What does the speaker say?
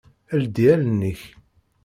Ldi allen-ik!